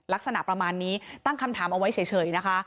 ลักษณะประมาณนี้ตั้งคำถามเอาไว้เฉยนะคะ